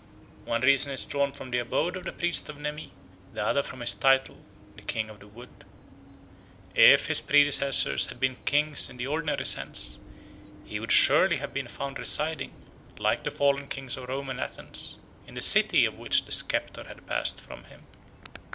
One reason is drawn from the abode of the priest of Nemi; the other from his title, the King of the Wood. If his predecessors had been kings in the ordinary sense, he would surely have been found residing, like the fallen kings of Rome and Athens, in the city of which the sceptre had passed from him.